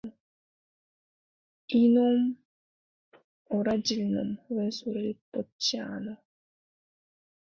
이놈, 오라질 놈, 왜 술을 붓지 않어.